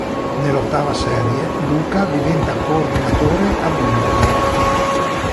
Nell’ottava serie, Luca diventa Coordinatore ad Interim.